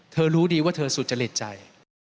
รู้ดีว่าเธอสุจริตใจ